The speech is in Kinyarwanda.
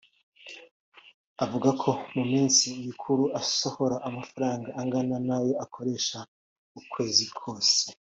avuga ko mu minsi mikuru asohora amafaranga angana n’ayo akoresha ukwezi kose